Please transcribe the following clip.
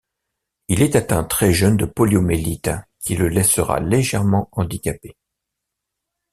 Il est atteint très jeune de poliomyélite, qui le laissera légèrement handicapé.